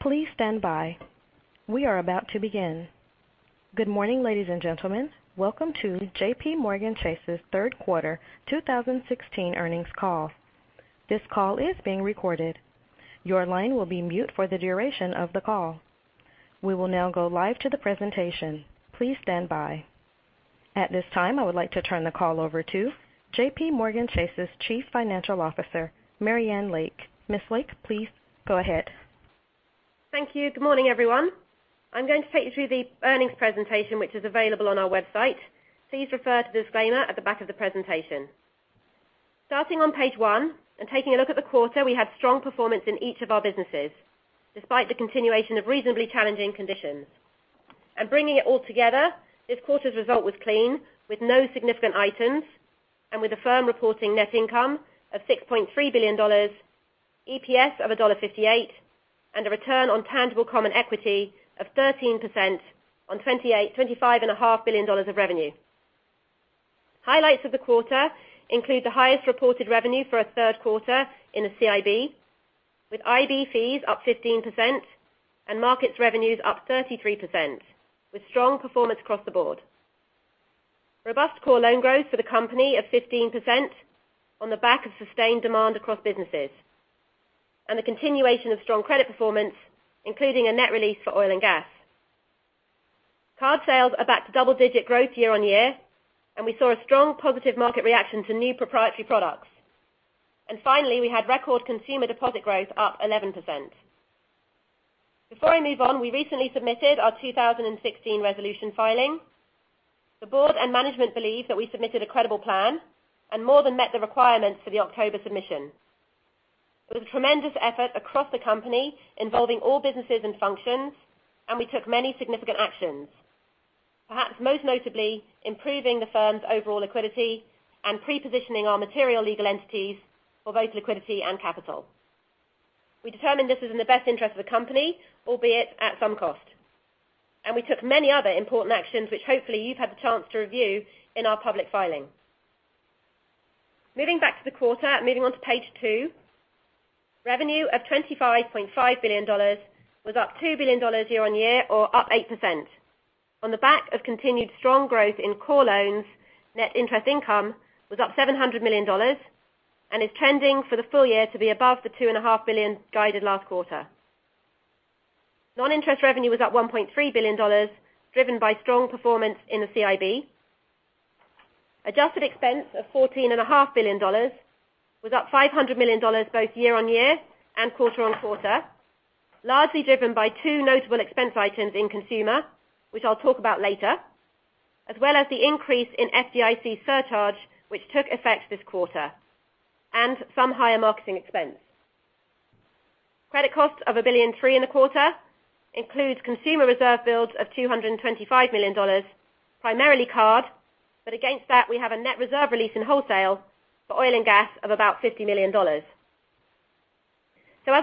Please stand by. We are about to begin. Good morning, ladies and gentlemen. Welcome to JPMorganChase's third quarter 2016 earnings call. This call is being recorded. Your line will be mute for the duration of the call. We will now go live to the presentation. Please stand by. At this time, I would like to turn the call over to JPMorganChase's Chief Financial Officer, Marianne Lake. Ms. Lake, please go ahead. Thank you. Good morning, everyone. I'm going to take you through the earnings presentation which is available on our website. Please refer to the disclaimer at the back of the presentation. Starting on page one and taking a look at the quarter, we had strong performance in each of our businesses, despite the continuation of reasonably challenging conditions. Bringing it all together, this quarter's result was clean, with no significant items, and with the firm reporting net income of $6.3 billion, EPS of $1.58, and a return on tangible common equity of 13% on $25.5 billion of revenue. Highlights of the quarter include the highest reported revenue for a third quarter in the CIB, with IB fees up 15% and markets revenues up 33%, with strong performance across the board. Robust core loan growth for the company of 15% on the back of sustained demand across businesses, and the continuation of strong credit performance, including a net release for oil and gas. Card sales are back to double-digit growth year-on-year, and we saw a strong positive market reaction to new proprietary products. Finally, we had record consumer deposit growth up 11%. Before I move on, we recently submitted our 2016 resolution filing. The board and management believe that we submitted a credible plan and more than met the requirements for the October submission. It was a tremendous effort across the company, involving all businesses and functions, and we took many significant actions. Perhaps most notably, improving the firm's overall liquidity and pre-positioning our material legal entities for both liquidity and capital. We determined this was in the best interest of the company, albeit at some cost. We took many other important actions which hopefully you've had the chance to review in our public filing. Moving back to the quarter, moving on to page two. Revenue of $25.5 billion was up $2 billion year-on-year or up 8%. On the back of continued strong growth in core loans, net interest income was up $700 million and is trending for the full year to be above the $2.5 billion guided last quarter. Non-interest revenue was up $1.3 billion, driven by strong performance in the CIB. Adjusted expense of $14.5 billion was up $500 million both year-on-year and quarter-on-quarter, largely driven by two notable expense items in consumer, which I'll talk about later. As well as the increase in FDIC surcharge which took effect this quarter, and some higher marketing expense. Credit costs of $1.3 billion in the quarter includes consumer reserve builds of $225 million, primarily card, but against that we have a net reserve release in wholesale for oil and gas of about $50 million. As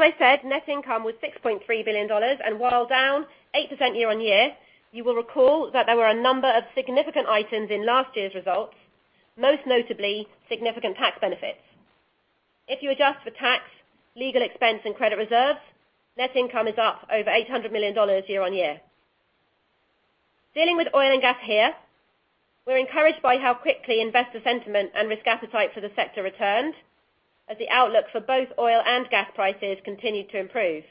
I said, net income was $6.3 billion and while down 8% year-on-year, you will recall that there were a number of significant items in last year's results, most notably significant tax benefits. If you adjust for tax, legal expense, and credit reserves, net income is up over $800 million year-on-year. Dealing with oil and gas here, we're encouraged by how quickly investor sentiment and risk appetite for the sector returned as the outlook for both oil and gas prices continued to improve.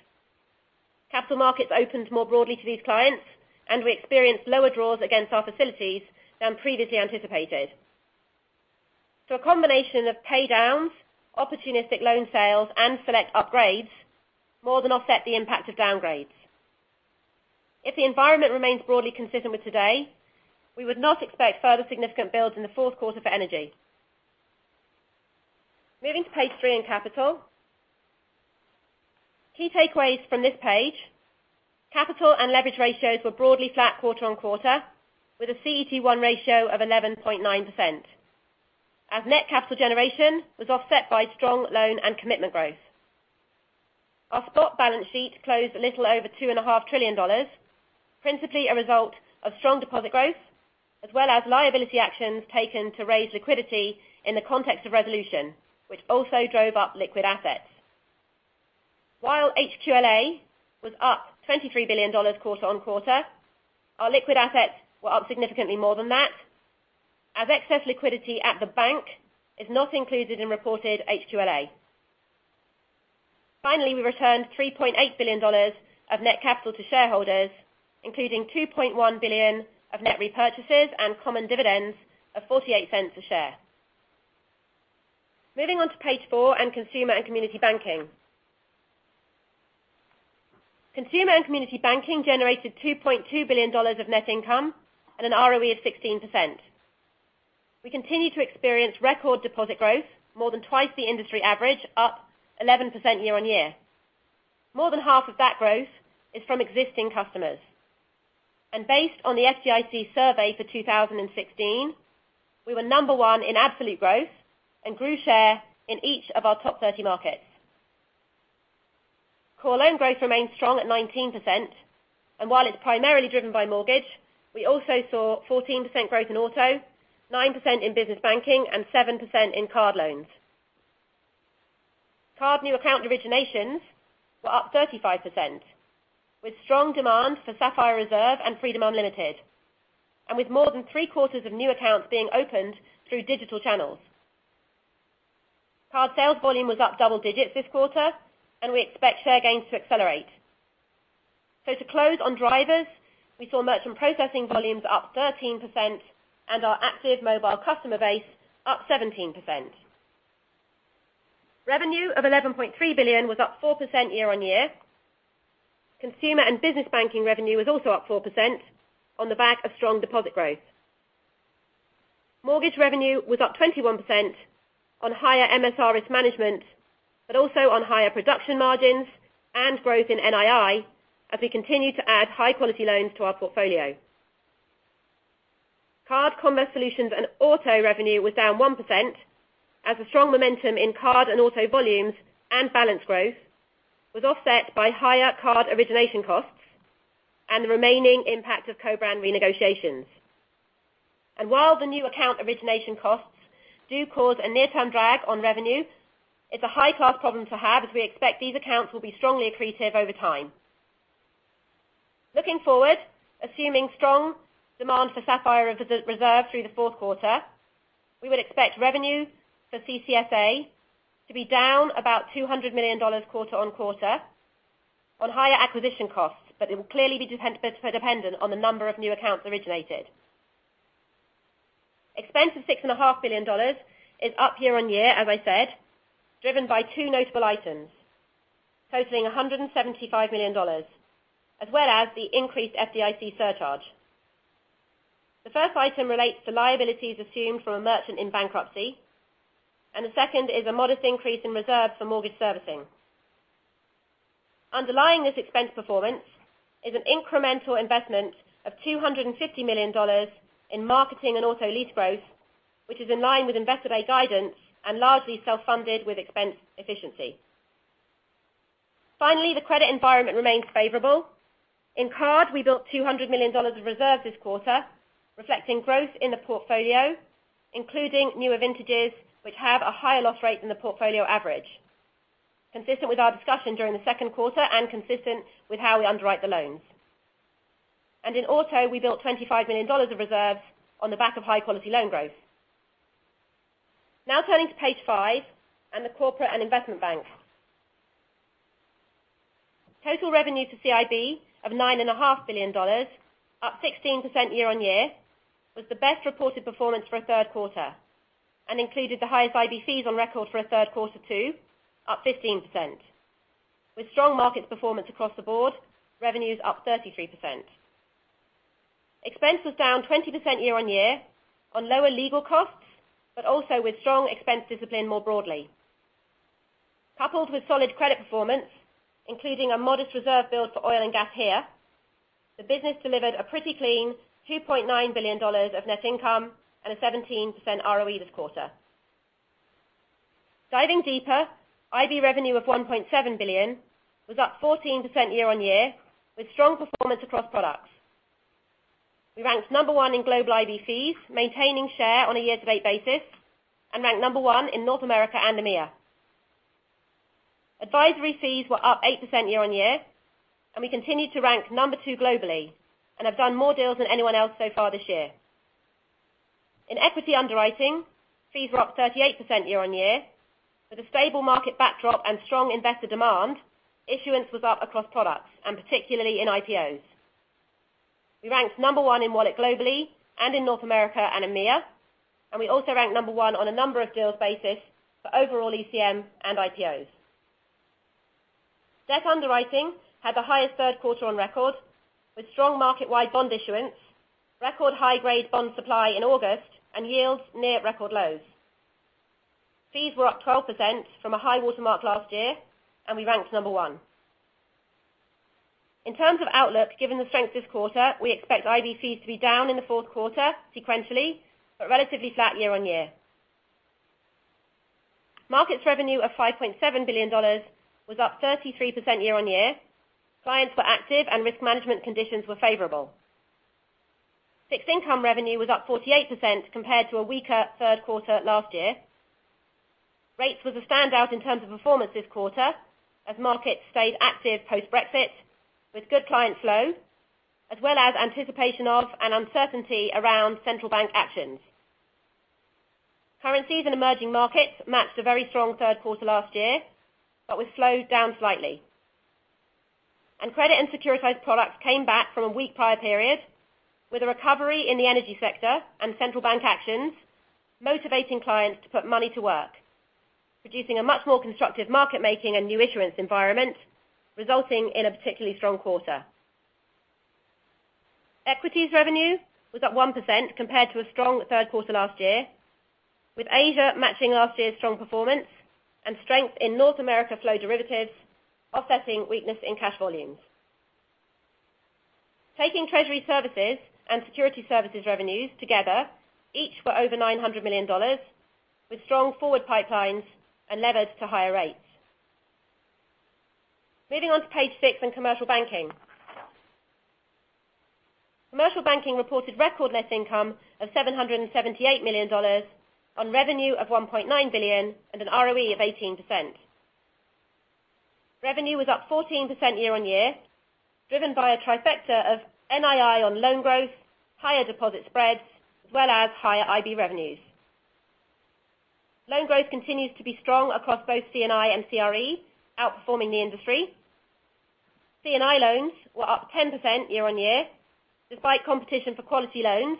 Capital markets opened more broadly to these clients, and we experienced lower draws against our facilities than previously anticipated. A combination of paydowns, opportunistic loan sales, and select upgrades more than offset the impact of downgrades. If the environment remains broadly consistent with today, we would not expect further significant builds in the fourth quarter for energy. Moving to page three on capital. Key takeaways from this page. Capital and leverage ratios were broadly flat quarter-on-quarter, with a CET1 ratio of 11.9%. Net capital generation was offset by strong loan and commitment growth. Our spot balance sheet closed a little over $2.5 trillion, principally a result of strong deposit growth as well as liability actions taken to raise liquidity in the context of resolution, which also drove up liquid assets. While HQLA was up $23 billion quarter-on-quarter, our liquid assets were up significantly more than that, as excess liquidity at the bank is not included in reported HQLA. Finally, we returned $3.8 billion of net capital to shareholders, including $2.1 billion of net repurchases and common dividends of $0.48 a share. Moving on to page four on Consumer and Community Banking. Consumer and Community Banking generated $2.2 billion of net income and an ROE of 16%. We continue to experience record deposit growth more than twice the industry average, up 11% year-on-year. More than half of that growth is from existing customers. Based on the FDIC survey for 2016, we were number one in absolute growth and grew share in each of our top 30 markets. Core loan growth remains strong at 19%, and while it's primarily driven by mortgage, we also saw 14% growth in auto, 9% in business banking, and 7% in card loans. Card new account originations were up 35%, with strong demand for Sapphire Reserve and Freedom Unlimited. With more than three-quarters of new accounts being opened through digital channels. Card sales volume was up double digits this quarter, and we expect share gains to accelerate. To close on drivers, we saw merchant processing volumes up 13% and our active mobile customer base up 17%. Revenue of $11.3 billion was up 4% year-on-year. Consumer and Business Banking revenue was also up 4% on the back of strong deposit growth. Mortgage revenue was up 21% on higher MSRs management, but also on higher production margins and growth in NII, as we continue to add high-quality loans to our portfolio. Card, Commerce Solutions & Auto revenue was down 1%, as the strong momentum in card and auto volumes and balance growth was offset by higher card origination costs and the remaining impact of co-brand renegotiations. While the new account origination costs do cause a near-term drag on revenue, it's a high card problem to have, as we expect these accounts will be strongly accretive over time. Looking forward, assuming strong demand for Sapphire Reserve through the fourth quarter, we would expect revenue for CCS&A to be down about $200 million quarter-on-quarter on higher acquisition costs. It will clearly be dependent on the number of new accounts originated. Expense of $6.5 billion is up year-on-year, as I said, driven by two notable items totaling $175 million, as well as the increased FDIC surcharge. The first item relates to liabilities assumed from a merchant in bankruptcy, and the second is a modest increase in reserve for mortgage servicing. Underlying this expense performance is an incremental investment of $250 million in marketing and auto lease growth, which is in line with Investor Day guidance and largely self-funded with expense efficiency. The credit environment remains favorable. In card, we built $200 million of reserve this quarter, reflecting growth in the portfolio, including newer vintages, which have a higher loss rate than the portfolio average. Consistent with our discussion during the second quarter and consistent with how we underwrite the loans. In auto, we built $25 million of reserves on the back of high-quality loan growth. Turning to page five and the corporate and investment bank. Total revenue to CIB of $9.5 billion, up 16% year-on-year, was the best reported performance for a third quarter and included the highest IB fees on record for a third quarter too, up 15%. With strong markets performance across the board, revenues up 33%. Expense was down 20% year-on-year on lower legal costs, but also with strong expense discipline more broadly. Coupled with solid credit performance, including a modest reserve build for oil and gas here, the business delivered a pretty clean $2.9 billion of net income and a 17% ROE this quarter. Diving deeper, IB revenue of $1.7 billion was up 14% year-on-year, with strong performance across products. We ranked number one in global IB fees, maintaining share on a year-to-date basis, and ranked number one in North America and EMEA. Advisory fees were up 8% year-on-year, we continued to rank number two globally and have done more deals than anyone else so far this year. In equity underwriting, fees were up 38% year-on-year. With a stable market backdrop and strong investor demand, issuance was up across products and particularly in IPOs. We ranked number one in wallet globally and in North America and EMEA, we also ranked number one on a number of deals basis for overall ECM and IPOs. Debt underwriting had the highest third quarter on record, with strong market-wide bond issuance, record high grade bond supply in August, yields near record lows. Fees were up 12% from a high watermark last year, we ranked number one. In terms of outlook, given the strength this quarter, we expect IB fees to be down in the fourth quarter sequentially, but relatively flat year-on-year. Markets revenue of $5.7 billion was up 33% year-on-year. Clients were active and risk management conditions were favorable. Fixed income revenue was up 48% compared to a weaker third quarter last year. Rates was a standout in terms of performance this quarter as markets stayed active post-Brexit, with good client flow, as well as anticipation of and uncertainty around central bank actions. Currencies and emerging markets matched a very strong third quarter last year but was slowed down slightly. Credit and securitized products came back from a weak prior period, with a recovery in the energy sector and central bank actions motivating clients to put money to work, producing a much more constructive market making and new issuance environment, resulting in a particularly strong quarter. Equities revenue was up 1% compared to a strong third quarter last year, with Asia matching last year's strong performance and strength in North America flow derivatives offsetting weakness in cash volumes. Taking treasury services and security services revenues together, each were over $900 million, with strong forward pipelines and levers to higher rates. Moving on to page six in commercial banking. Commercial banking reported record net income of $778 million on revenue of $1.9 billion and an ROE of 18%. Revenue was up 14% year on year, driven by a trifecta of NII on loan growth, higher deposit spreads, as well as higher IB revenues. Loan growth continues to be strong across both C&I and CRE, outperforming the industry. C&I loans were up 10% year on year, despite competition for quality loans,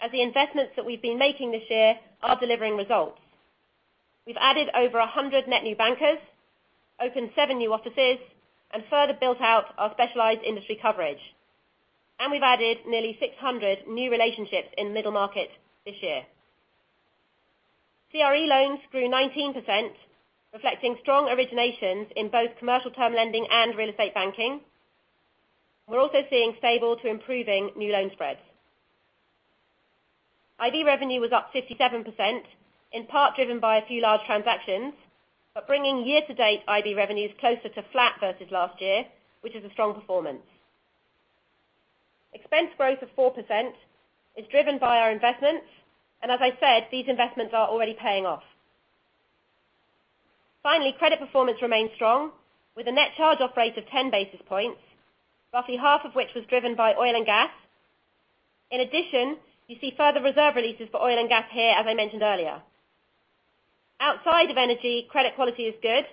as the investments that we've been making this year are delivering results. We've added over 100 net new bankers, opened seven new offices, and further built out our specialized industry coverage. We've added nearly 600 new relationships in middle market this year. CRE loans grew 19%, reflecting strong originations in both commercial term lending and real estate banking. We're also seeing stable to improving new loan spreads. IB revenue was up 57%, in part driven by a few large transactions, but bringing year-to-date IB revenues closer to flat versus last year, which is a strong performance. Expense growth of 4% is driven by our investments, and as I said, these investments are already paying off. Finally, credit performance remains strong, with a net charge-off rate of 10 basis points, roughly half of which was driven by oil and gas. In addition, you see further reserve releases for oil and gas here, as I mentioned earlier. Outside of energy, credit quality is good,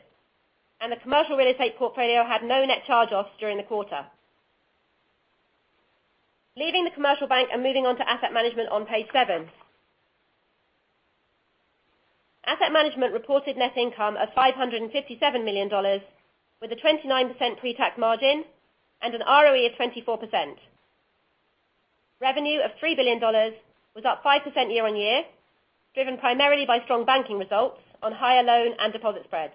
and the commercial real estate portfolio had no net charge-offs during the quarter. Leaving the commercial bank and moving on to asset management on page seven. Asset management reported net income of $557 million, with a 29% pre-tax margin and an ROE of 24%. Revenue of $3 billion was up 5% year on year, driven primarily by strong banking results on higher loan and deposit spreads.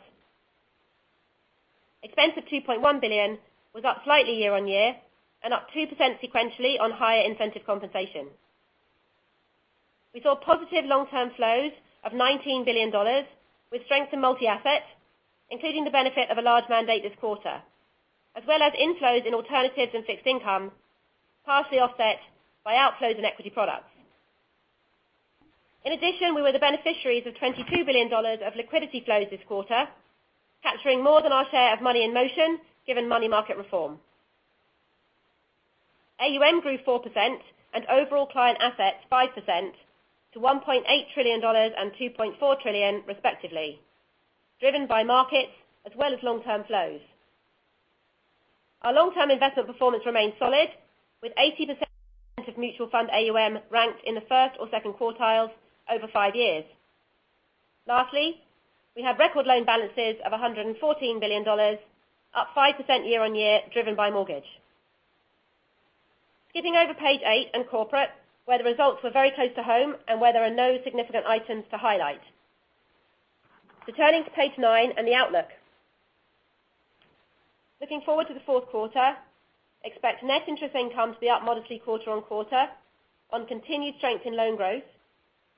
Expense of $2.1 billion was up slightly year on year and up 2% sequentially on higher incentive compensation. We saw positive long-term flows of $19 billion, with strength in multi-asset, including the benefit of a large mandate this quarter, as well as inflows in alternatives and fixed income, partially offset by outflows in equity products. In addition, we were the beneficiaries of $22 billion of liquidity flows this quarter, capturing more than our share of money in motion, given money market reform. AUM grew 4% and overall client assets 5%, to $1.8 trillion and $2.4 trillion, respectively, driven by markets as well as long-term flows. Our long-term investment performance remains solid, with 80% of mutual fund AUM ranked in the first or second quartiles over five years. Lastly, we have record loan balances of $114 billion, up 5% year-on-year, driven by mortgage. Skipping over page eight on corporate, where the results were very close to home and where there are no significant items to highlight. Turning to page nine and the outlook. Looking forward to the fourth quarter, expect net interest income to be up modestly quarter-on-quarter on continued strength in loan growth,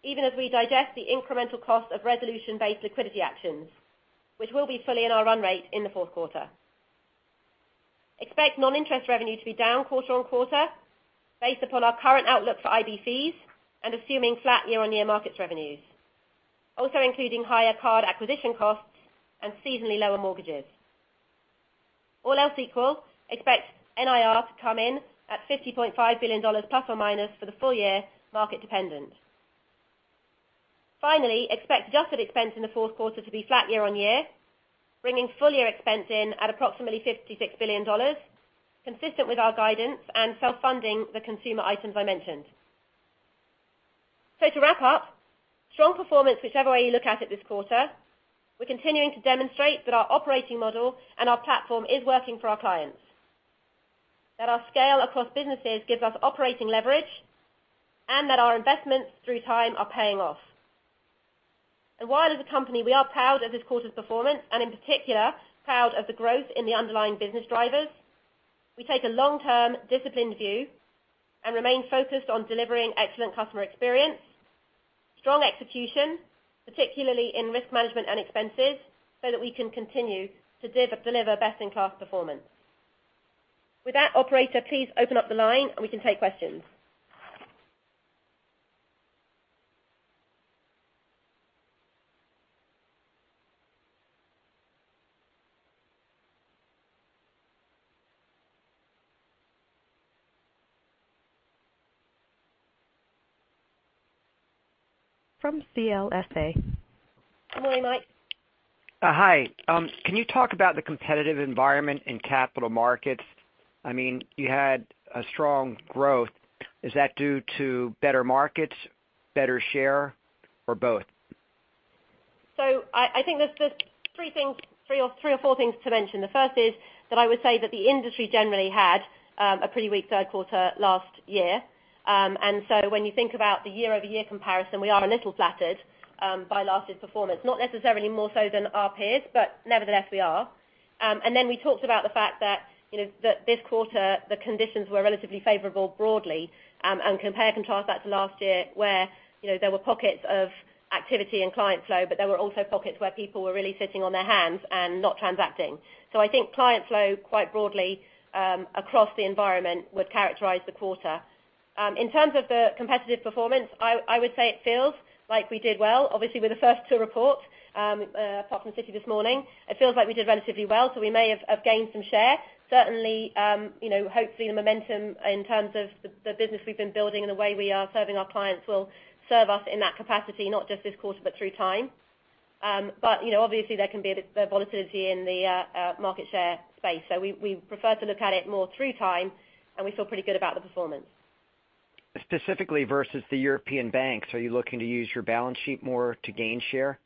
even as we digest the incremental cost of resolution-based liquidity actions, which will be fully in our run rate in the fourth quarter. Expect non-interest revenue to be down quarter-on-quarter based upon our current outlook for IB fees and assuming flat year-on-year markets revenues. Also including higher card acquisition costs and seasonally lower mortgages. All else equal, expect NIR to come in at $50.5 billion ± for the full year, market dependent. Finally, expect adjusted expense in the fourth quarter to be flat year-on-year, bringing full-year expense in at approximately $56 billion, consistent with our guidance and self-funding the consumer items I mentioned. To wrap up, strong performance whichever way you look at it this quarter. We're continuing to demonstrate that our operating model and our platform is working for our clients, that our scale across businesses gives us operating leverage, and that our investments through time are paying off. While as a company, we are proud of this quarter's performance, and in particular, proud of the growth in the underlying business drivers, we take a long-term disciplined view and remain focused on delivering excellent customer experience, strong execution, particularly in risk management and expenses, so that we can continue to deliver best-in-class performance. With that, operator, please open up the line and we can take questions. From CLSA. Good morning, Mike. Hi. Can you talk about the competitive environment in capital markets? You had a strong growth. Is that due to better markets, better share, or both? I think there's three or four things to mention. The first is that I would say that the industry generally had a pretty weak third quarter last year. When you think about the year-over-year comparison, we are a little flattered by last year's performance. Not necessarily more so than our peers, but nevertheless we are. We talked about the fact that this quarter, the conditions were relatively favorable broadly, and compare and contrast that to last year where there were pockets of activity and client flow, but there were also pockets where people were really sitting on their hands and not transacting. I think client flow quite broadly across the environment would characterize the quarter. In terms of the competitive performance, I would say it feels like we did well. Obviously, we're the first to report apart from Citi this morning. It feels like we did relatively well, we may have gained some share. Certainly, hopefully the momentum in terms of the business we've been building and the way we are serving our clients will serve us in that capacity, not just this quarter but through time. Obviously there can be a bit of volatility in the market share space. We prefer to look at it more through time, and we feel pretty good about the performance. Specifically versus the European banks, are you looking to use your balance sheet more to gain share?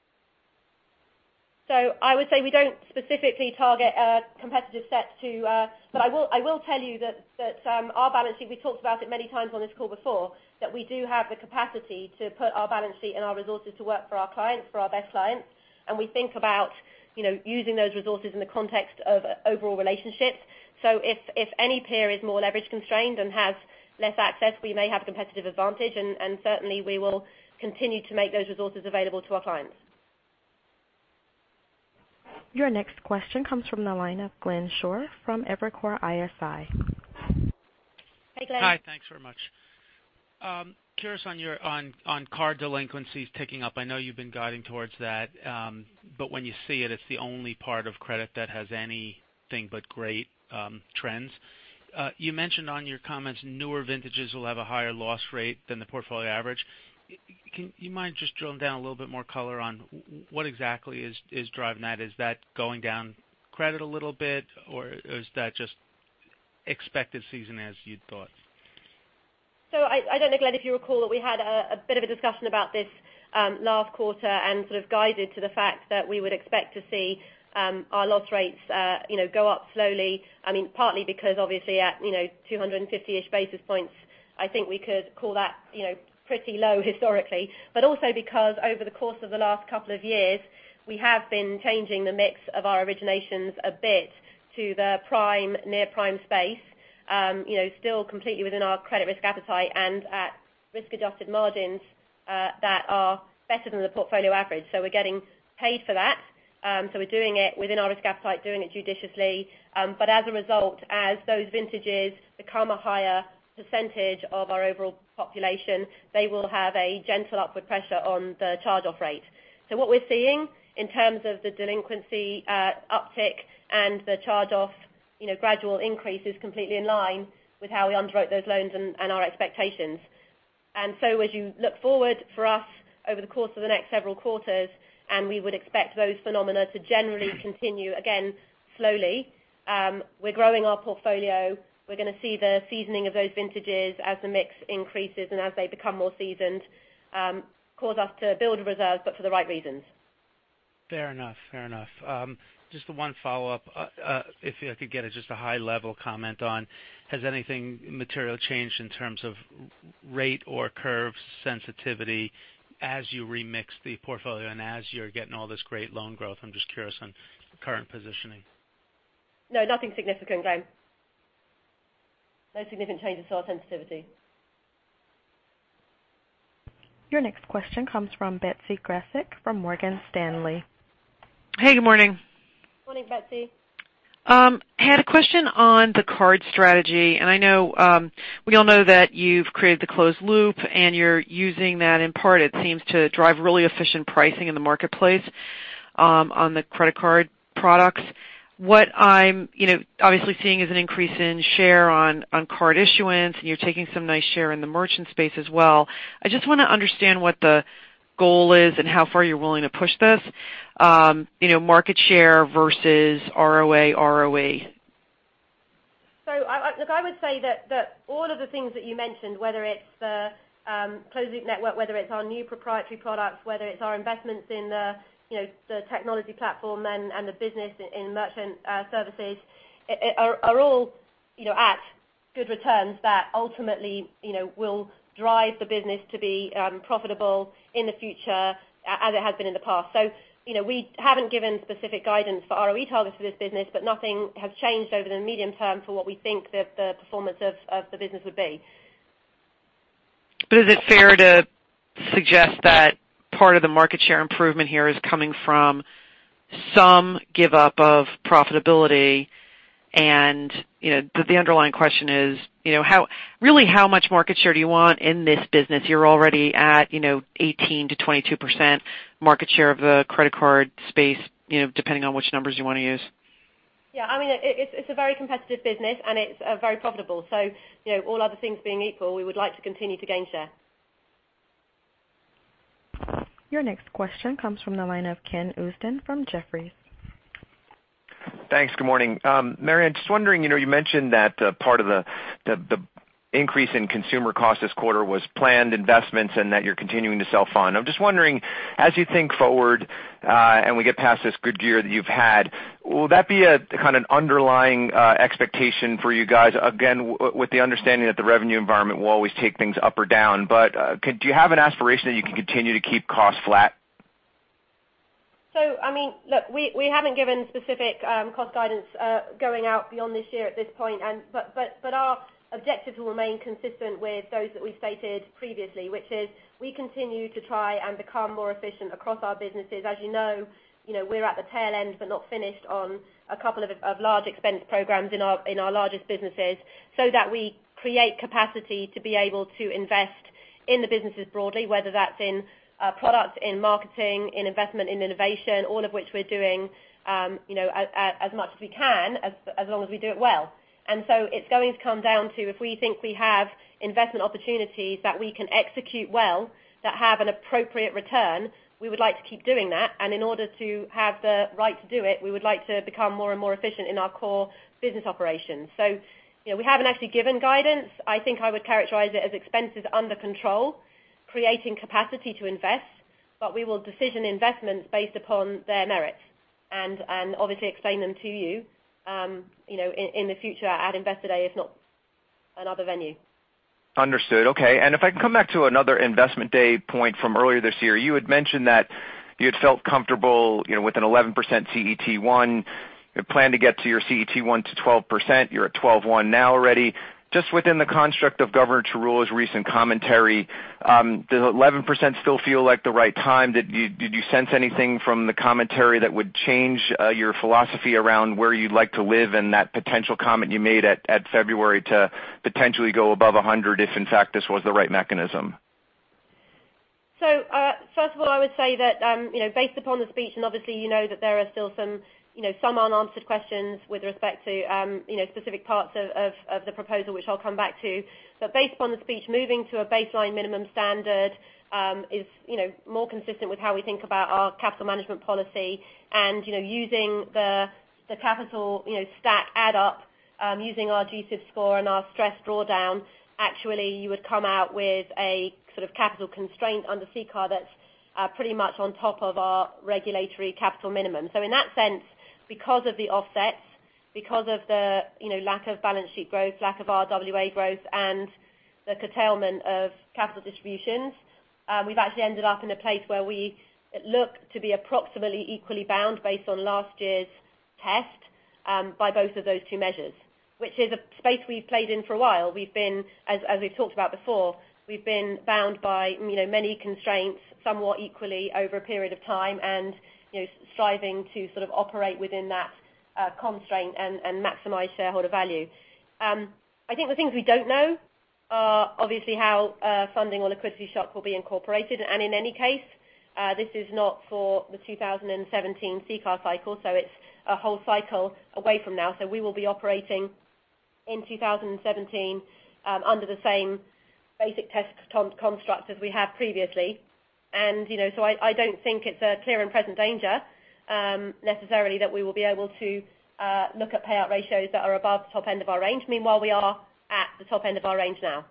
I would say we don't specifically target a competitive set. I will tell you that our balance sheet, we talked about it many times on this call before, that we do have the capacity to put our balance sheet and our resources to work for our clients, for our best clients. We think about using those resources in the context of overall relationships. If any peer is more leverage constrained and has less access, we may have competitive advantage, and certainly we will continue to make those resources available to our clients. Your next question comes from the line of Glenn Schorr from Evercore ISI. Hey, Glenn. Hi, thanks very much. Curious on card delinquencies ticking up. I know you've been guiding towards that. When you see it's the only part of credit that has anything but great trends. You mentioned on your comments, newer vintages will have a higher loss rate than the portfolio average. You mind just drilling down a little bit more color on what exactly is driving that? Is that going down credit a little bit, or is that just expected seasoning as you'd thought? I don't know, Glenn, if you recall that we had a bit of a discussion about this last quarter and sort of guided to the fact that we would expect to see our loss rates go up slowly. Partly because obviously at 250 basis points, I think we could call that pretty low historically. Also because over the course of the last couple of years, we have been changing the mix of our originations a bit to the prime, near prime space. Still completely within our credit risk appetite and at risk-adjusted margins that are better than the portfolio average. We're getting paid for that. We're doing it within our risk appetite, doing it judiciously. As a result, as those vintages become a higher percentage of our overall population, they will have a gentle upward pressure on the charge-off rate. What we're seeing in terms of the delinquency uptick and the charge-off gradual increase is completely in line with how we underwrote those loans and our expectations. As you look forward for us over the course of the next several quarters, and we would expect those phenomena to generally continue, again, slowly. We're growing our portfolio. We're going to see the seasoning of those vintages as the mix increases and as they become more seasoned, cause us to build reserves, but for the right reasons. Fair enough. Just one follow-up. If I could get just a high-level comment on, has anything material changed in terms of rate or curve sensitivity as you remix the portfolio and as you're getting all this great loan growth? I'm just curious on current positioning. No, nothing significant, Glenn. No significant changes to our sensitivity. Your next question comes from Betsy Graseck from Morgan Stanley. Hey, good morning. Morning, Betsy. I had a question on the card strategy, and I know we all know that you've created the closed loop, and you're using that in part. It seems to drive really efficient pricing in the marketplace on the credit card products. What I'm obviously seeing is an increase in share on card issuance, and you're taking some nice share in the merchant space as well. I just want to understand what the goal is and how far you're willing to push this. Market share versus ROA, ROE. Look, I would say that all of the things that you mentioned, whether it's the closed loop network, whether it's our new proprietary products, whether it's our investments in the technology platform and the business in merchant services, are all at good returns that ultimately will drive the business to be profitable in the future as it has been in the past. We haven't given specific guidance for ROE targets for this business, but nothing has changed over the medium term for what we think the performance of the business would be. Is it fair to suggest that part of the market share improvement here is coming from some give up of profitability and the underlying question is really how much market share do you want in this business? You're already at 18%-22% market share of the credit card space, depending on which numbers you want to use. Yeah, it's a very competitive business, and it's very profitable. All other things being equal, we would like to continue to gain share. Your next question comes from the line of Ken Usdin from Jefferies. Thanks. Good morning. Marianne, just wondering, you mentioned that part of the increase in consumer costs this quarter was planned investments and that you're continuing to self-fund. I'm just wondering, as you think forward, we get past this good year that you've had, will that be a kind of underlying expectation for you guys, again, with the understanding that the revenue environment will always take things up or down. Do you have an aspiration that you can continue to keep costs flat? Look, we haven't given specific cost guidance going out beyond this year at this point, but our objectives will remain consistent with those that we stated previously, which is we continue to try and become more efficient across our businesses. As you know, we're at the tail end, but not finished on a couple of large expense programs in our largest businesses so that we create capacity to be able to invest in the businesses broadly, whether that's in products, in marketing, in investment, in innovation, all of which we're doing as much as we can, as long as we do it well. It's going to come down to if we think we have investment opportunities that we can execute well that have an appropriate return, we would like to keep doing that. In order to have the right to do it, we would like to become more and more efficient in our core business operations. We haven't actually given guidance. I think I would characterize it as expenses under control, creating capacity to invest, but we will decision investments based upon their merits and obviously explain them to you in the future at Investor Day, if not another venue. Understood. Okay, if I can come back to another Investor Day point from earlier this year. You had mentioned that you had felt comfortable with an 11% CET1. You plan to get to your CET1 to 12%. You're at 12.1 now already. Just within the construct of Governor Tarullo's recent commentary, does 11% still feel like the right time? Did you sense anything from the commentary that would change your philosophy around where you'd like to live and that potential comment you made at February to potentially go above 100 if in fact this was the right mechanism? First of all, I would say that based upon the speech, and obviously you know that there are still some unanswered questions with respect to specific parts of the proposal, which I'll come back to. Based upon the speech, moving to a baseline minimum standard is more consistent with how we think about our capital management policy and using the capital stack add up, using our GSIB score and our stress drawdown, actually, you would come out with a capital constraint under CCAR that's pretty much on top of our regulatory capital minimum. In that sense, because of the offsets, because of the lack of balance sheet growth, lack of RWA growth, and the curtailment of capital distributions, we've actually ended up in a place where we look to be approximately equally bound based on last year's test by both of those two measures. Which is a space we've played in for a while. As we've talked about before, we've been bound by many constraints, somewhat equally over a period of time, and striving to operate within that constraint and maximize shareholder value. I think the things we don't know are obviously how funding or liquidity shocks will be incorporated. In any case, this is not for the 2017 CCAR cycle, so it's a whole cycle away from now. We will be operating in 2017 under the same basic test constructs as we have previously. I don't think it's a clear and present danger necessarily that we will be able to look at payout ratios that are above the top end of our range. Meanwhile, we are at the top end of our range now.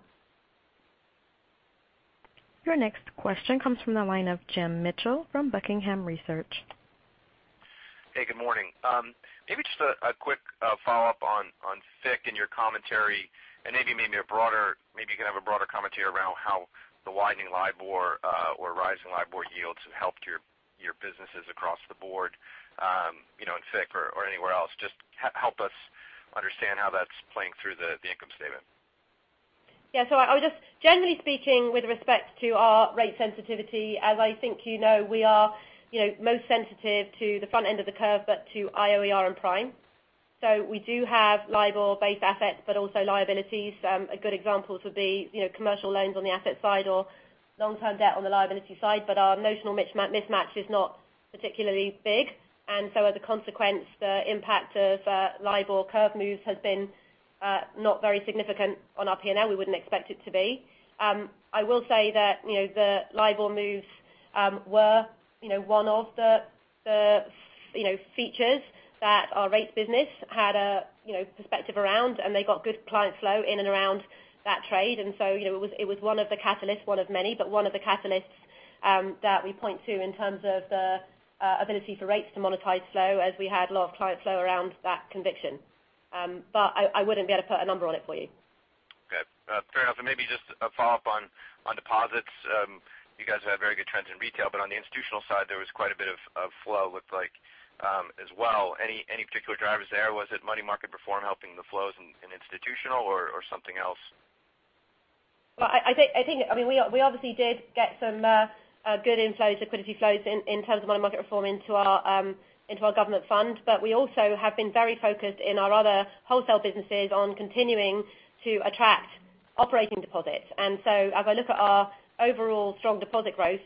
Your next question comes from the line of Jim Mitchell from Buckingham Research. Hey, good morning. Maybe just a quick follow-up on FICC and your commentary, and maybe you can have a broader commentary around how the widening LIBOR or rising LIBOR yields have helped your businesses across the board in FICC or anywhere else. Just help us understand how that's playing through the income statement. Yeah. I would just, generally speaking, with respect to our rate sensitivity, as I think you know, we are most sensitive to the front end of the curve, but to IOER and Prime. We do have LIBOR-based assets, but also liabilities. A good example would be commercial loans on the asset side or long-term debt on the liability side, but our notional mismatch is not particularly big. As a consequence, the impact of LIBOR curve moves has been not very significant on our P&L. We wouldn't expect it to be. I will say that the LIBOR moves were one of the features that our rates business had a perspective around, and they got good client flow in and around that trade. It was one of the catalysts, one of many, but one of the catalysts that we point to in terms of the ability for rates to monetize flow, as we had a lot of client flow around that conviction. I wouldn't be able to put a number on it for you. Okay. Fair enough. Maybe just a follow-up on deposits. You guys had very good trends in retail, but on the institutional side, there was quite a bit of flow, it looked like, as well. Any particular drivers there? Was it money market reform helping the flows in institutional or something else? We obviously did get some good inflows, liquidity flows in terms of money market reform into our government fund. We also have been very focused in our other wholesale businesses on continuing to attract operating deposits. As I look at our overall strong deposit growth,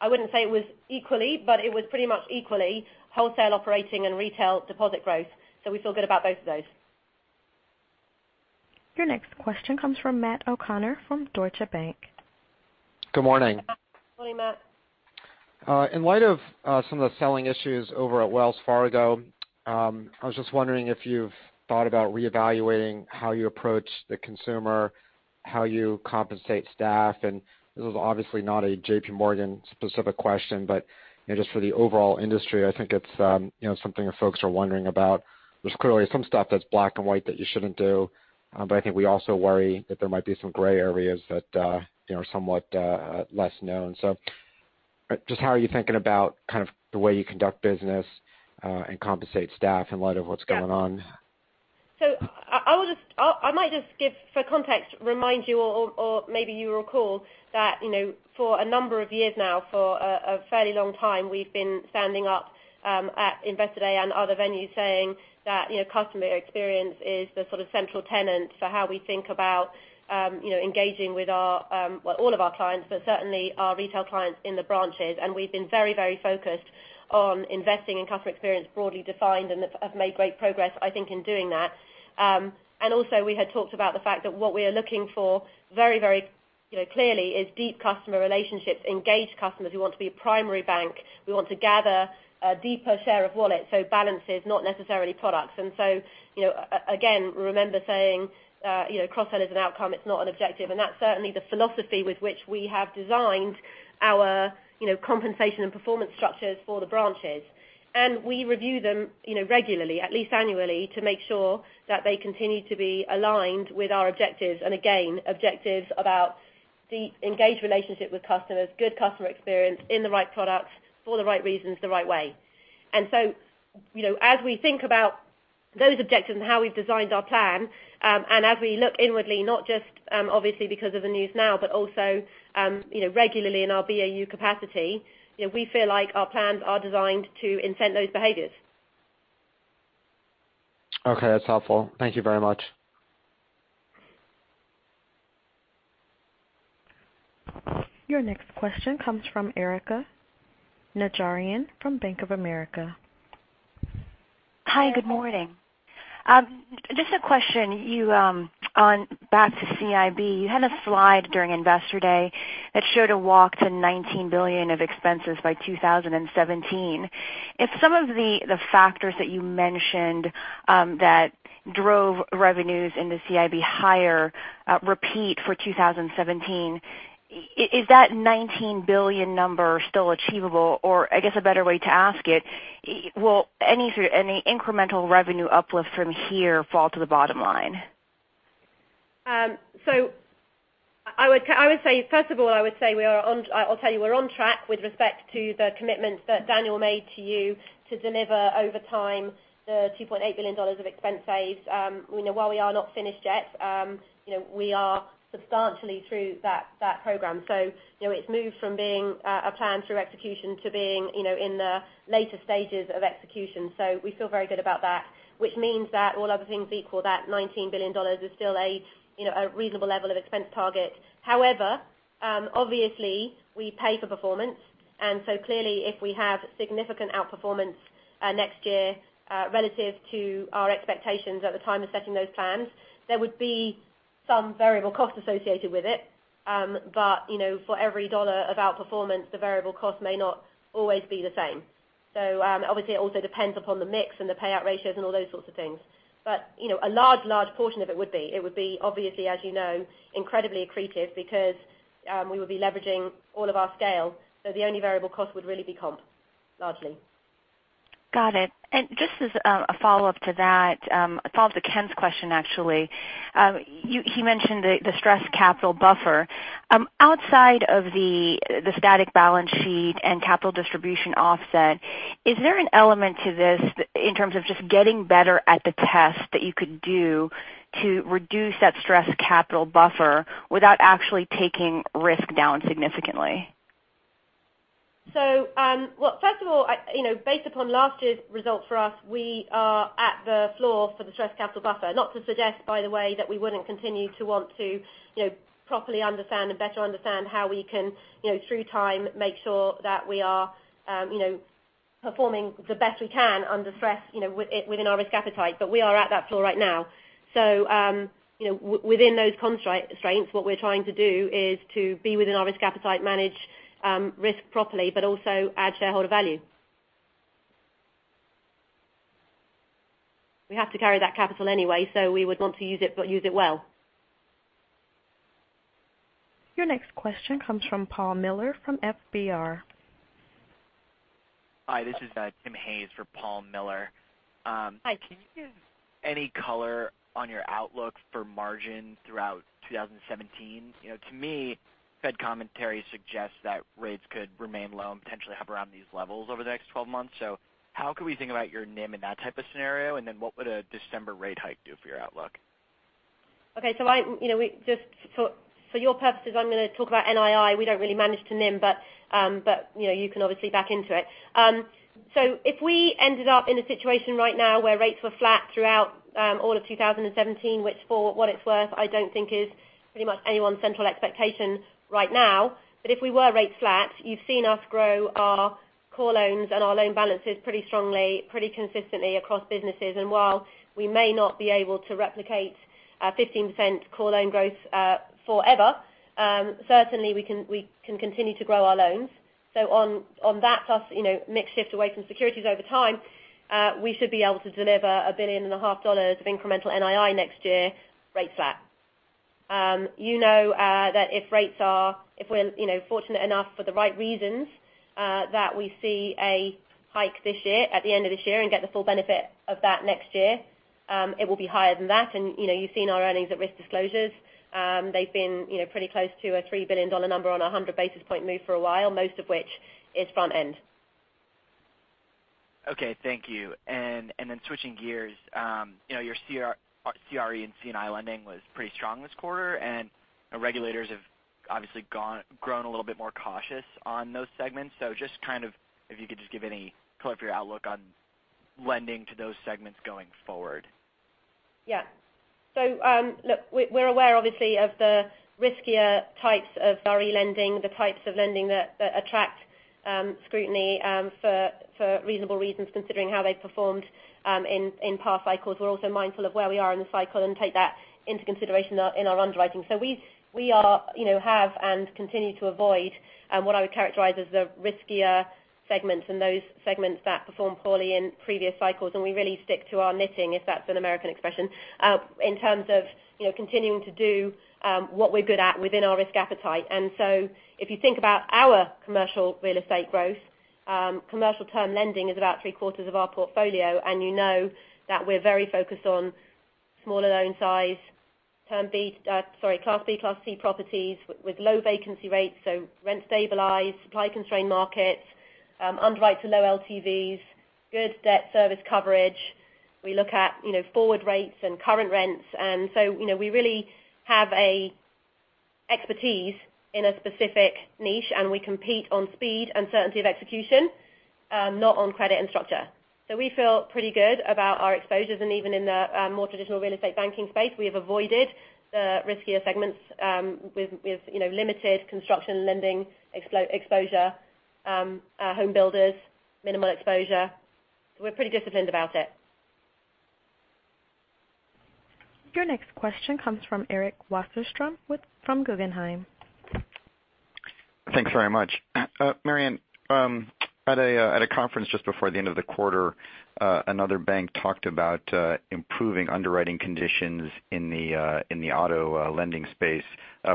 I wouldn't say it was equally, but it was pretty much equally wholesale operating and retail deposit growth. We feel good about both of those. Your next question comes from Matt O'Connor from Deutsche Bank. Good morning. Good morning, Matt. In light of some of the selling issues over at Wells Fargo, I was just wondering if you've thought about reevaluating how you approach the consumer, how you compensate staff. This is obviously not a JPMorgan specific question, but just for the overall industry, I think it's something that folks are wondering about. There's clearly some stuff that's black and white that you shouldn't do, but I think we also worry that there might be some gray areas that are somewhat less known. Just how are you thinking about the way you conduct business, and compensate staff in light of what's going on? I might just give for context, remind you or maybe you recall that for a number of years now, for a fairly long time, we've been standing up at Investor Day and other venues saying that customer experience is the central tenet for how we think about engaging with all of our clients, but certainly our retail clients in the branches. We've been very focused on investing in customer experience broadly defined and have made great progress, I think, in doing that. We had talked about the fact that what we are looking for very clearly is deep customer relationships, engaged customers who want to be a primary bank. We want to gather a deeper share of wallet, so balances, not necessarily products. Again, remember saying, cross-sell is an outcome, it's not an objective. That's certainly the philosophy with which we have designed our compensation and performance structures for the branches. We review them regularly, at least annually, to make sure that they continue to be aligned with our objectives. Again, objectives about the engaged relationship with customers, good customer experience in the right products for the right reasons, the right way. As we think about those objectives and how we've designed our plan, and as we look inwardly, not just obviously because of the news now, but also, regularly in our BAU capacity, we feel like our plans are designed to incent those behaviors. Okay. That's helpful. Thank you very much. Your next question comes from Erika Najarian from Bank of America. Hi, good morning. Just a question. Back to CIB, you had a slide during Investor Day that showed a walk to $19 billion of expenses by 2017. If some of the factors that you mentioned that drove revenues into CIB higher repeat for 2017, is that $19 billion number still achievable? I guess, a better way to ask it, will any incremental revenue uplift from here fall to the bottom line? I would say first of all, I'll tell you we're on track with respect to the commitments that Daniel made to you to deliver over time the $2.8 billion of expense saves. While we are not finished yet, we are substantially through that program. It's moved from being a plan through execution to being in the later stages of execution. We feel very good about that, which means that all other things equal, that $19 billion is still a reasonable level of expense target. However, obviously, we pay for performance, clearly, if we have significant outperformance next year relative to our expectations at the time of setting those plans, there would be some variable costs associated with it. For every dollar of outperformance, the variable cost may not always be the same. Obviously, it also depends upon the mix and the payout ratios and all those sorts of things. A large portion of it would be. It would be obviously, as you know, incredibly accretive because we would be leveraging all of our scale. The only variable cost would really be comp, largely. Got it. Just as a follow-up to that, a follow-up to Ken's question, actually. He mentioned the stress capital buffer. Outside of the static balance sheet and capital distribution offset, is there an element to this in terms of just getting better at the test that you could do to reduce that stress capital buffer without actually taking risk down significantly? First of all, based upon last year's results for us, we are at the floor for the Stress Capital Buffer. Not to suggest, by the way, that we wouldn't continue to want to properly understand and better understand how we can, through time, make sure that we are performing the best we can under stress within our risk appetite. We are at that floor right now. Within those constraints, what we're trying to do is to be within our risk appetite, manage risk properly, but also add shareholder value. We have to carry that capital anyway, so we would want to use it, but use it well. Your next question comes from Tim Hayes from FBR. Hi, this is Tim Hayes for Paul Miller. Hi, Tim. Can you give any color on your outlook for margin throughout 2017? To me, Fed commentary suggests that rates could remain low and potentially hover around these levels over the next 12 months. How could we think about your NIM in that type of scenario? What would a December rate hike do for your outlook? Just for your purposes, I'm going to talk about NII. We don't really manage to NIM, but you can obviously back into it. If we ended up in a situation right now where rates were flat throughout all of 2017, which for what it's worth, I don't think is pretty much anyone's central expectation right now. If we were rate flat, you've seen us grow our core loans and our loan balances pretty strongly, pretty consistently across businesses. While we may not be able to replicate a 15% core loan growth forever, certainly we can continue to grow our loans. On that plus mix shift away from securities over time, we should be able to deliver $1.5 billion of incremental NII next year, rates flat. You know that if we're fortunate enough for the right reasons, that we see a hike this year at the end of this year and get the full benefit of that next year. It will be higher than that. You've seen our earnings at risk disclosures. They've been pretty close to a $3 billion number on 100 basis point move for a while, most of which is front end. Okay, thank you. Switching gears. Your CRE and C&I lending was pretty strong this quarter. Regulators have obviously grown a little bit more cautious on those segments. If you could just give any color for your outlook on lending to those segments going forward. Yeah. Look, we're aware, obviously, of the riskier types of our lending, the types of lending that attract scrutiny for reasonable reasons, considering how they performed in past cycles. We're also mindful of where we are in the cycle and take that into consideration in our underwriting. We have and continue to avoid what I would characterize as the riskier segments and those segments that performed poorly in previous cycles. We really stick to our knitting, if that's an American expression, in terms of continuing to do what we're good at within our risk appetite. If you think about our commercial real estate growth, commercial term lending is about three-quarters of our portfolio, you know that we're very focused on smaller loan size, Class B, Class C properties with low vacancy rates, so rent stabilized, supply-constrained markets, underwrite to low LTVs, good debt service coverage. We look at forward rates and current rents. We really have an expertise in a specific niche, and we compete on speed and certainty of execution, not on credit and structure. We feel pretty good about our exposures. Even in the more traditional real estate banking space, we have avoided the riskier segments with limited construction lending exposure. Home builders, minimal exposure. We're pretty disciplined about it. Your next question comes from Eric Wasserstrom from Guggenheim. Thanks very much. Marianne, at a conference just before the end of the quarter, another bank talked about improving underwriting conditions in the auto lending space,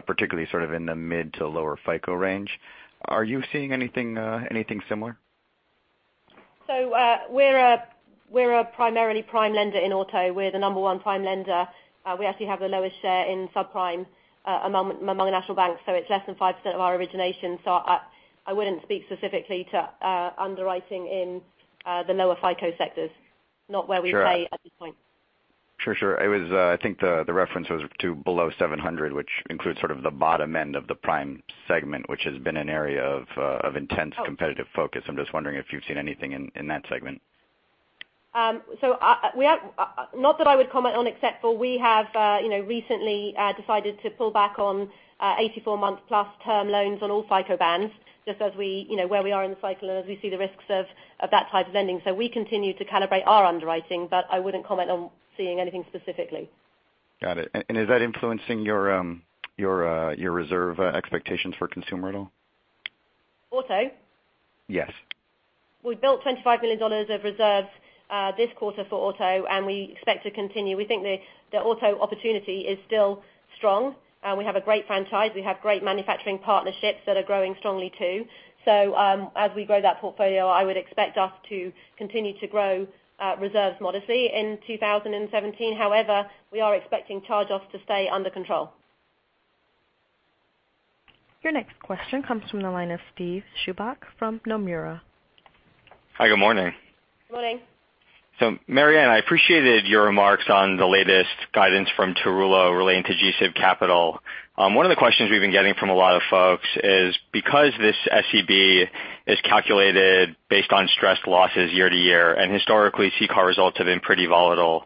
particularly sort of in the mid to lower FICO range. Are you seeing anything similar? We're a primarily prime lender in auto. We're the number one prime lender. We actually have the lowest share in subprime among national banks. It's less than 5% of our origination. I wouldn't speak specifically to underwriting in the lower FICO sectors, not where we play- Sure. At this point. Sure. I think the reference was to below 700, which includes sort of the bottom end of the prime segment, which has been an area of intense competitive focus. I'm just wondering if you've seen anything in that segment. Not that I would comment on, except for we have recently decided to pull back on 84-month-plus term loans on all FICO bands, just as where we are in the cycle and as we see the risks of that type of lending. We continue to calibrate our underwriting, but I wouldn't comment on seeing anything specifically. Got it. Is that influencing your reserve expectations for consumer at all? Auto? Yes. We built $25 million of reserves this quarter for auto, and we expect to continue. We think the auto opportunity is still strong. We have a great franchise. We have great manufacturing partnerships that are growing strongly, too. As we grow that portfolio, I would expect us to continue to grow reserves modestly in 2017. However, we are expecting charge-offs to stay under control. Your next question comes from the line of Steve Chubak from Nomura. Hi, good morning. Good morning. Marianne, I appreciated your remarks on the latest guidance from Tarullo relating to GSIB Capital. One of the questions we've been getting from a lot of folks is because this SCB is calculated based on stress losses year-to-year, and historically CCAR results have been pretty volatile.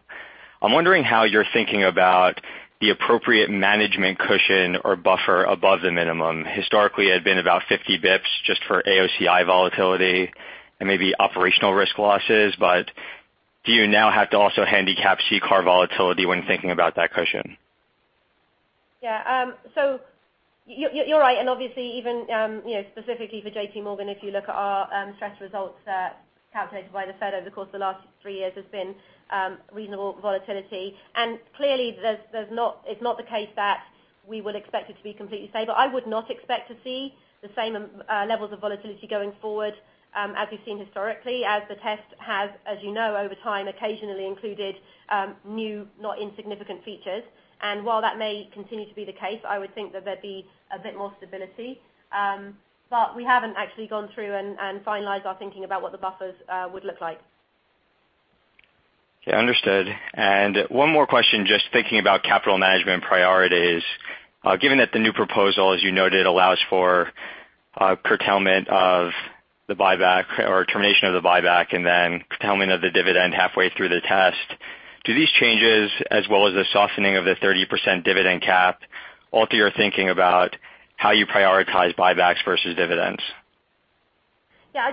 I'm wondering how you're thinking about the appropriate management cushion or buffer above the minimum. Historically, it had been about 50 basis points just for AOCI volatility and maybe operational risk losses. Do you now have to also handicap CCAR volatility when thinking about that cushion? Yeah. You're right, and obviously even specifically for JPMorgan, if you look at our stress results calculated by the Fed over the course of the last three years has been reasonable volatility. Clearly, it's not the case that we would expect it to be completely stable. I would not expect to see the same levels of volatility going forward as we've seen historically as the test has, as you know, over time, occasionally included new, not insignificant features. While that may continue to be the case, I would think that there'd be a bit more stability. We haven't actually gone through and finalized our thinking about what the buffers would look like. Yeah, understood. One more question, just thinking about capital management priorities. Given that the new proposal, as you noted, allows for curtailment of the buyback or termination of the buyback and then curtailment of the dividend halfway through the test, do these changes, as well as the softening of the 30% dividend cap, alter your thinking about how you prioritize buybacks versus dividends? Yeah.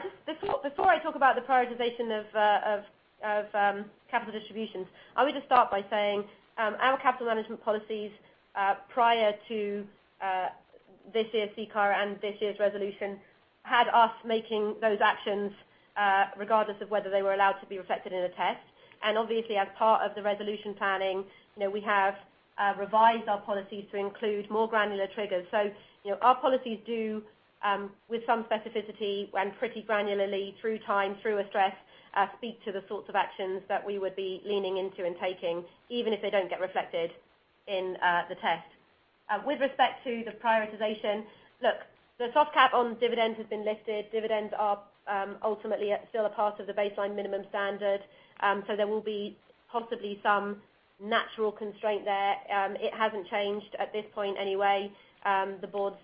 Before I talk about the prioritization of capital distributions, I would just start by saying our capital management policies prior to this year's CCAR and this year's resolution had us making those actions regardless of whether they were allowed to be reflected in a test. Obviously, as part of the resolution planning, we have revised our policies to include more granular triggers. Our policies do, with some specificity and pretty granularly through time, through a stress, speak to the sorts of actions that we would be leaning into and taking, even if they don't get reflected in the test. With respect to the prioritization, look, the soft cap on dividends has been lifted. Dividends are ultimately still a part of the baseline minimum standard. There will be possibly some natural constraint there. It hasn't changed at this point anyway, the board's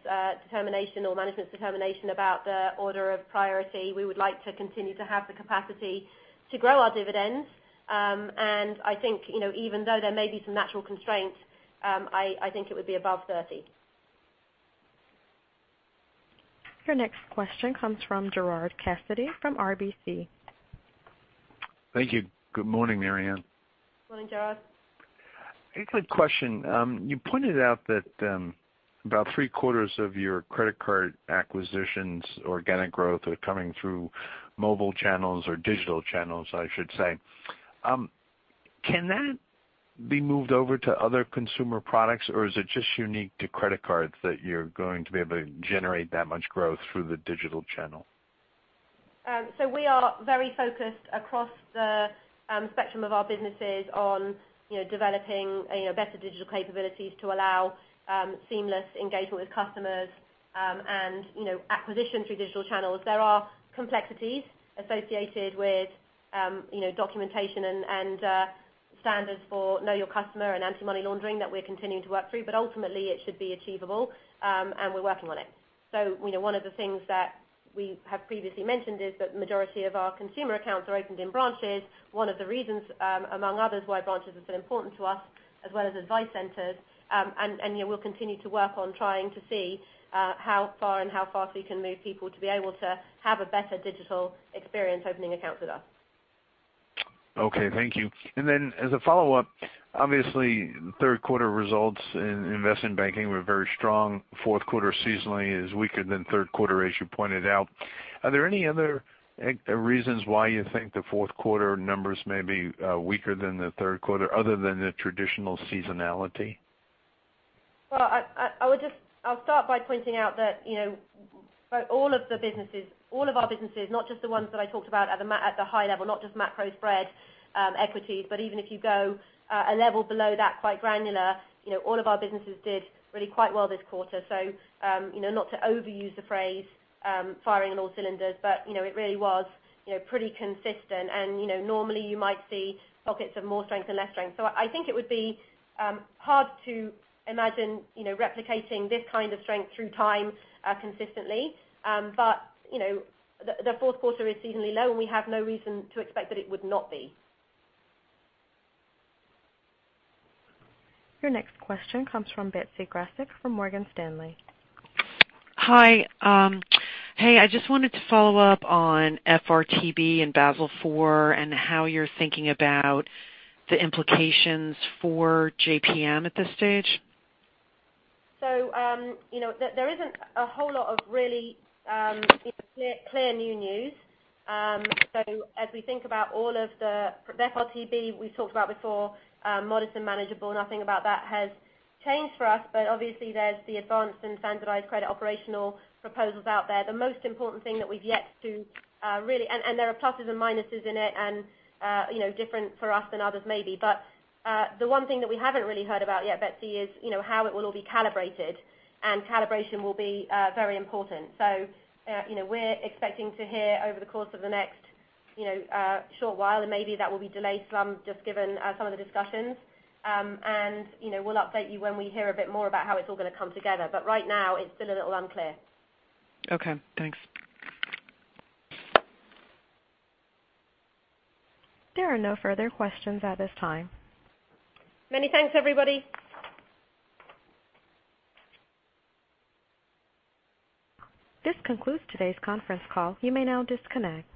determination or management's determination about the order of priority. We would like to continue to have the capacity to grow our dividends. I think, even though there may be some natural constraints, I think it would be above 30. Your next question comes from Gerard Cassidy from RBC. Thank you. Good morning, Marianne. Good morning, Gerard. A quick question. You pointed out that about three-quarters of your credit card acquisitions, organic growth are coming through mobile channels or digital channels, I should say. Can that be moved over to other consumer products, or is it just unique to credit cards that you're going to be able to generate that much growth through the digital channel? We are very focused across the spectrum of our businesses on developing better digital capabilities to allow seamless engagement with customers and acquisition through digital channels. There are complexities associated with documentation and standards for know your customer and anti-money laundering that we're continuing to work through, but ultimately it should be achievable, and we're working on it. One of the things that we have previously mentioned is that majority of our consumer accounts are opened in branches. One of the reasons, among others, why branches are so important to us as well as advice centers, and we'll continue to work on trying to see how far and how fast we can move people to be able to have a better digital experience opening accounts with us. Okay, thank you. As a follow-up, obviously third-quarter results in investment banking were very strong. Fourth quarter seasonally is weaker than third quarter, as you pointed out. Are there any other reasons why you think the fourth quarter numbers may be weaker than the third quarter, other than the traditional seasonality? I'll start by pointing out that all of our businesses, not just the ones that I talked about at the high level, not just macro spread equities, but even if you go a level below that, quite granular, all of our businesses did really quite well this quarter. Not to overuse the phrase, firing on all cylinders, but it really was pretty consistent. Normally you might see pockets of more strength and less strength. I think it would be hard to imagine replicating this kind of strength through time consistently. The fourth quarter is seasonally low, and we have no reason to expect that it would not be. Your next question comes from Betsy Graseck from Morgan Stanley. Hi. Hey, I just wanted to follow up on FRTB and Basel IV and how you're thinking about the implications for JPM at this stage. There isn't a whole lot of really clear new news. As we think about all of the FRTB we talked about before, modest and manageable, nothing about that has changed for us. Obviously there's the advanced and standardized credit operational proposals out there. The most important thing that we've yet to, and there are pluses and minuses in it and different for us than others maybe, but, the one thing that we haven't really heard about yet, Betsy, is how it will all be calibrated, and calibration will be very important. We're expecting to hear over the course of the next short while, and maybe that will be delayed some just given some of the discussions. We'll update you when we hear a bit more about how it's all going to come together. Right now it's still a little unclear. Okay, thanks. There are no further questions at this time. Many thanks, everybody. This concludes today's conference call. You may now disconnect.